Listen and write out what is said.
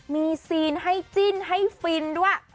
มีซีนให้จิ้นให้ฟินด้วย